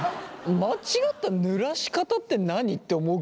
間違ったぬらし方って何？って思うけどね。